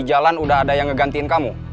jalan udah ada yang ngegantiin kamu